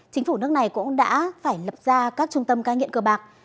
chính phủ nước này cũng đã phải lập ra các trung tâm cai nghiện cờ bạc